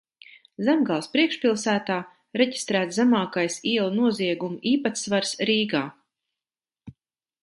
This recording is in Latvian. Zemgales priekšpilsētā reģistrēts zemākais ielu noziegumu īpatsvars Rīgā.